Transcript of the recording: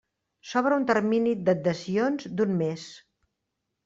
S'obre un termini d'adhesions d'un mes.